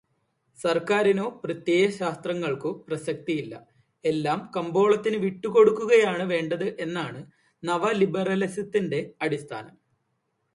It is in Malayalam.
സർക്കാരിനോ പ്രത്യയശാസ്ത്രങ്ങൾക്കോ പ്രസക്തിയില്ല, എല്ലാം കമ്പോളത്തിനു വിട്ടുകൊടുക്കുകയാണ് വേണ്ടത് എന്നതാണ് നവലിബെറലിസത്തിന്റെ അടിസ്ഥാനം.